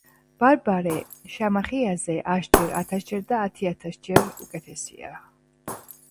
ბარბარე შამახიაზე ასჯერ, ათასჯერ და ათიათასჯერ უკეთესია